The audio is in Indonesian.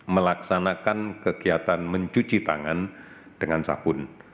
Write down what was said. melaksanakan kegiatan mencuci tangan dengan sabun